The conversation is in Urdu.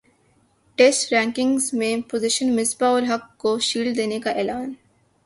ٹیسٹ رینکنگ میں پوزیشن مصباح الحق کو شیلڈ دینے کا اعلان